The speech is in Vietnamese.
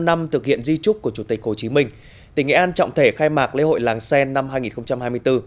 bảy mươi năm năm thực hiện di trúc của chủ tịch hồ chí minh tỉnh nghệ an trọng thể khai mạc lễ hội làng xen năm hai nghìn hai mươi bốn